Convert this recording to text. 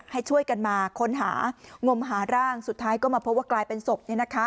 ให้ช่วยกันมาค้นหางมหาร่างสุดท้ายก็มาพบว่ากลายเป็นศพ